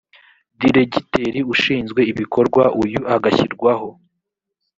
diregiteri ushinzwe ibikorwa uyu agashyirwaho